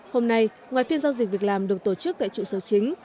hôm nay ngoài phiên giao dịch việc làm được tổ chức tại trụ sở chính